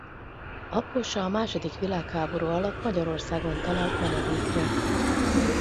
Apósa a második világháború alatt Magyarországon talált menedékre.